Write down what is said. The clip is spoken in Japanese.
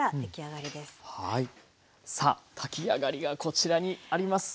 さあ炊き上がりがこちらにあります。